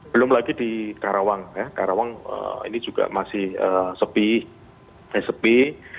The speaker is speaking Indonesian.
belum lagi di karawang karawang ini juga masih sepi